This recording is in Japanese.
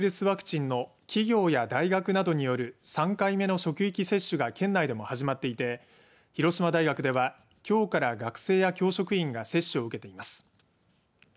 ワクチンの企業や大学などによる３回目の職域接種が県内でも始まっていて広島大学ではきょうから学生や教職員が接種を受けています。